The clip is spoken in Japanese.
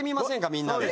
みんなで。